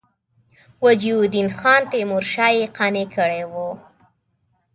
وجیه الدین خان تیمورشاه یې قانع کړی وو.